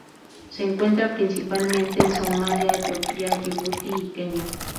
Se encuentra principalmente en Somalía, Etiopía, Yibuti y Kenia.